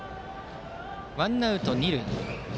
ワンアウト二塁。